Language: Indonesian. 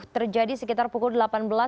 terjadi sekitar pukul delapan belas